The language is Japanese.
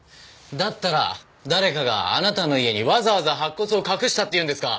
だったら誰かがあなたの家にわざわざ白骨を隠したっていうんですか？